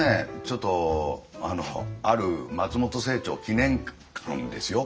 ちょっとある松本清張記念館ですよ。